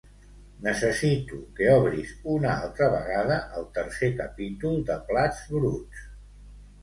Necessito que obris una altra vegada el tercer capítol de "Plats bruts".